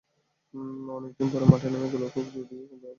অনেক দিন পরে মাঠে নামা গোলরক্ষক ক্লদিও ব্রাভো কিছুই করতে পারেননি।